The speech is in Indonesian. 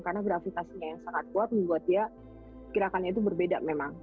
karena gravitasinya yang sangat kuat membuat dia gerakannya itu berbeda memang